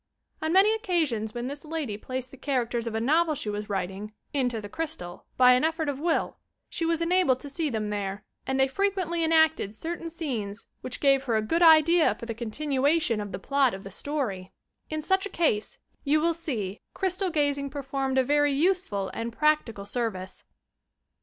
On many occasions when this lady placed the characters of a novel she was writing into the crystal by an effort of will, she was enabled to see them there, and they frequently enacted certain scenes which gave her a good idea for the continuation of the plot of the story I 152 YOUR PSYCHIC POWERS Id such a case, you will see, crystal gazing perfonned a very useful and practical service.